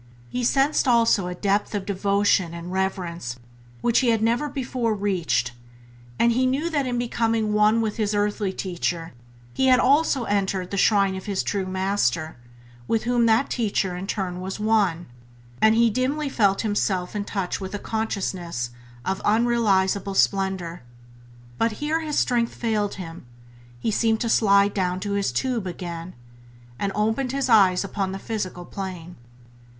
He sensed also a depth of devotion and reverence which he had never before reached; he knew that in becoming one with his earthly teacher he had also entered the shrine of his true Master, with whom that teacher in turn was one, and he dimly felt himself in touch with a Consciousness of unrealizable splendour. But here his strength failed him; he seemed to slide down to his tube again, and opened his eyes upon the physical plane.